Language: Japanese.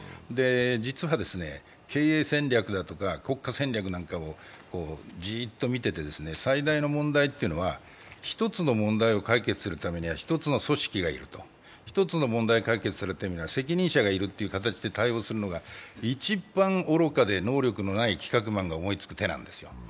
実は経営戦略だとか国家戦略なんかをじーっと見ていて、最大の問題というのは、一つの問題を解決するためには一つの組織が要る、一つの問題解決するのに責任者がいるという形で対応するのが一番愚かで能力のない企画マンが思いつく手なんですよ。